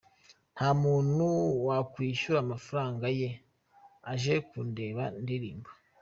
Nta muntu wakwishyura amafaranga ye aje kundeba ndirimba.